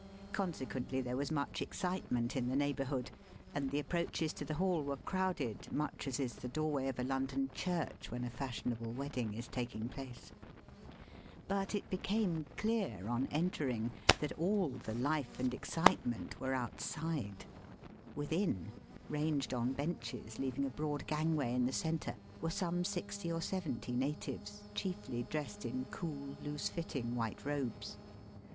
Conse quently there was much excitement in the neighbourhood, and the approaches to the hall Digitized by VjOOQIC 188 EAST BY WEST. were crowded much as is the doorway of a London church when a fashionable wedding is taking place. But it became clear on enter ing that all the life and excitement were outside. Within, ranged on benches leaving a broad gangway in the centre, were some sixty or seventy natives, chiefly dressed in cool, loose fitting white robes.